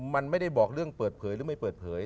มันไม่ได้บอกเรื่องเปิดเผยหรือไม่เปิดเผย